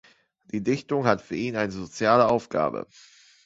Die Dichtung hat für ihn eine soziale Aufgabe.